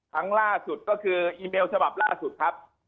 ครั้งล่าสุดก็คืออีเมลฉบับล่าสุดครับ